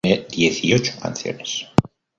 El disco contiene dieciocho canciones.